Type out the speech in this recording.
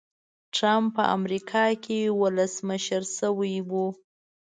ټرمپ په امریکا کې ولسمشر شوی و.